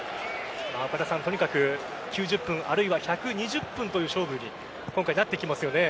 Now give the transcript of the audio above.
とにかく９０分あるいは１２０分という勝負に今回なってきますよね。